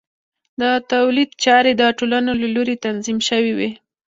د تولید چارې د ټولنو له لوري تنظیم شوې وې.